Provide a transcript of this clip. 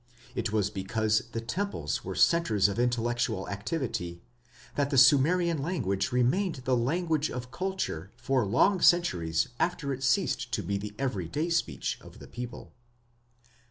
It was because the temples were centres of intellectual activity that the Sumerian language remained the language of culture for long centuries after it ceased to be the everyday speech of the people.